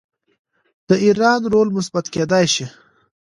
د ایران رول مثبت کیدی شي.